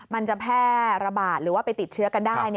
มันจะแพร่ระบาดหรือว่าไปติดเชื้อกันได้